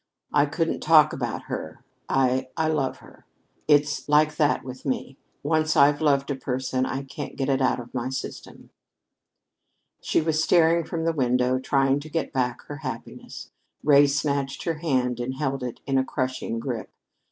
I couldn't talk about her. I I love her. It's like that with me. Once I've loved a person, I can't get it out of my system." She was staring from the window, trying to get back her happiness. Ray snatched her hand and held it in a crushing grip.